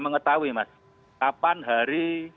mengetahui mas kapan hari